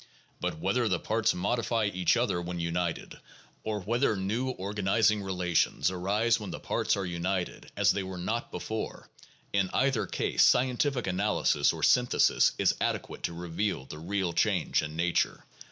But whether the parts modify each other when united, or whether new organizing relations arise when the parts are united as they were not before, in either case scientific analysis or synthesis is adequate to reveal the real change in nature.